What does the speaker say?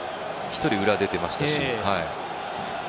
１人、裏に出てましたし。